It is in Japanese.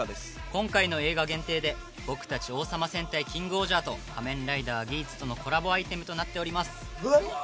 今回の映画限定で僕たち『王様戦隊キングオージャー』と『仮面ライダーギーツ』とのコラボアイテムとなっております。